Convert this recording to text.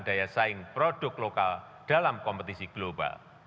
daya saing produk lokal dalam kompetisi global